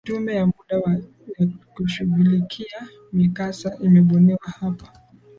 tume ya muda ya kushugulikia mikasa imebuniwa hapa